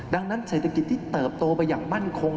ดังนั้นเศรษฐกิจที่เติบโตไปอย่างมั่นคง